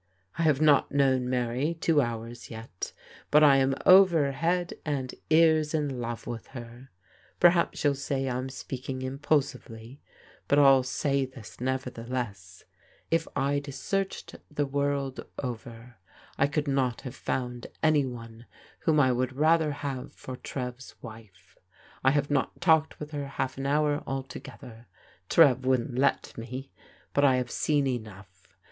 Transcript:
I have not known Mary two hours yet, but I'm over head and ears in love with her. Perhaps you'll say I'm speaking impulsively, but I'll say this, nevertheless : If I'd searched the world over, I could not have found any one whom I would rather have for Trev's wife. I have not talked with her half an hour all together — Trev wouldn't let me — ^but I have seen enough.